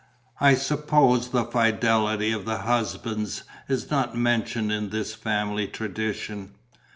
"I suppose the fidelity of the husbands is not mentioned in this family tradition?"